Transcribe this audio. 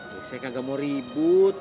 biasanya kagak mau ribut